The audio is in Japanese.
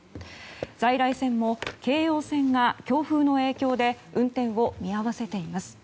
在来線も京葉線が強風の影響で運転を見合わせています。